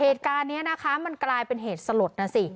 เหตุการณ์นี้นะคะมันกลายเป็นเหตุสลดนะสิ